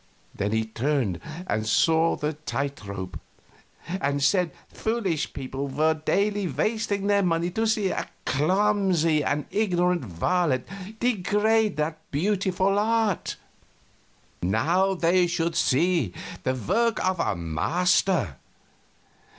Then he turned and saw the tight rope, and said foolish people were daily wasting their money to see a clumsy and ignorant varlet degrade that beautiful art; now they should see the work of a master.